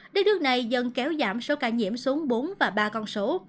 đến đước này dân kéo giảm số ca nhiễm xuống bốn và ba con số